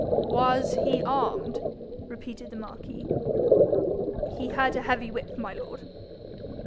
'Was he armed?' repeated the marquis. 'He had a heavy whip, my lord.'